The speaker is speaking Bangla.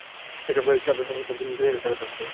এসব গাড়ি থেকে মাসে দুই হাজার টাকা চাঁদা আদায় করা হয়।